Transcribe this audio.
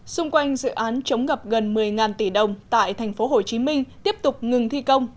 xung quanh dự án chống ngập gần một mươi tỷ đồng tại tp hcm tiếp tục ngừng thi công